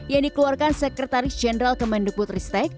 yang dikeluarkan sekretaris jenderal kemendekbud riset tek